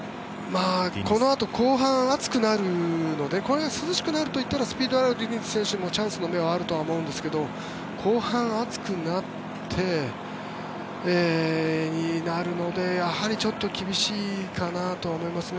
このあと後半暑くなるのでこれが涼しくなるとなったらスピードのあるディニズ選手はチャンスの目はあると思うんですが後半暑くなってくるのでやはりちょっと厳しいかなとは思いますね。